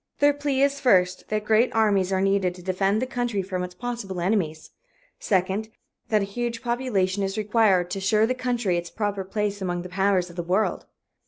Their plea is, first, that great armies are needed to defend the country from its possible enemies; second, that a huge population is required to assure the country its proper place among the powers of the world.